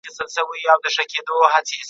د شنبې په ورځ یوې سختي زلزلې ولړزاوه.